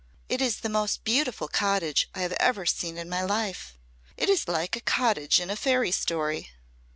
"It is the most beautiful cottage I ever saw in my life. It is like a cottage in a fairy story."